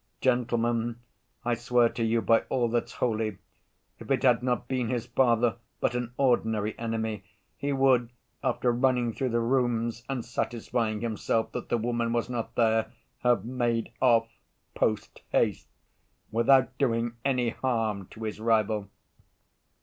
Gentlemen, I swear to you by all that's holy, if it had not been his father, but an ordinary enemy, he would, after running through the rooms and satisfying himself that the woman was not there, have made off, post‐haste, without doing any harm to his rival.